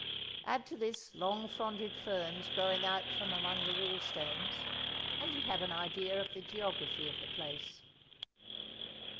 Add to this long fronded ferns growing out from among the wall stones, and you have an idea of the geography of the place.